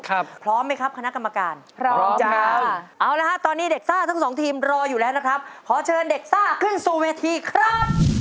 พร้อมไหมครับคณะกรรมการพร้อมจ้าเอาละฮะตอนนี้เด็กซ่าทั้งสองทีมรออยู่แล้วนะครับขอเชิญเด็กซ่าขึ้นสู่เวทีครับ